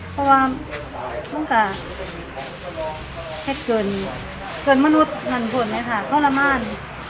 เพราะว่าต้องการให้เกินมนุษย์หมั่นคนเลยค่ะทรมาน